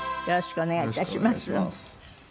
よろしくお願いします。